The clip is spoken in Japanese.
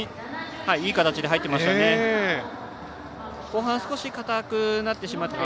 いい形で入ってましたね。